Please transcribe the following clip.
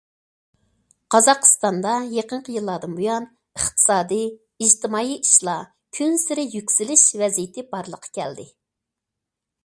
قازاقىستاندا يېقىنقى يىللاردىن بۇيان، ئىقتىسادىي، ئىجتىمائىي ئىشلار كۈنسېرى يۈكسىلىش ۋەزىيىتى بارلىققا كەلدى.